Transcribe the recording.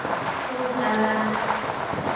— Шолта-ат...